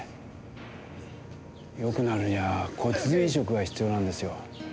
よくなるには骨髄移植が必要なんですよ。